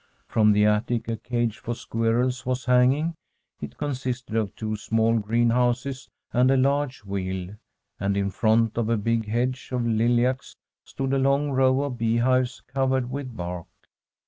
From the attic a cage for squirrels was hanging ; it consisted of two small green houses and a large wheel, and in front of a big hedge of lilacs stood a long row of beehives covered with bark.